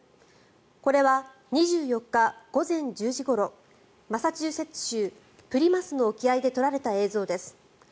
これは、２４日午前１０時ごろマサチューセッツ州プリマスの沖合で撮られた映像です。